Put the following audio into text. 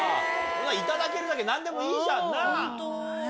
頂けるだけ何でもいいじゃんな。